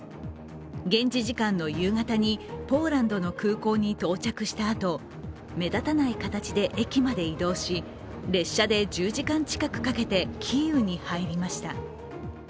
現地時間の夕方にポーランドの空港に到着したあと目立たない形で駅まで移動し列車で１０時間近くかけてキーウに入りました。